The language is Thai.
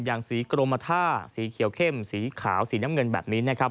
อย่างสีกรมท่าสีเขียวเข้มสีขาวสีน้ำเงินแบบนี้นะครับ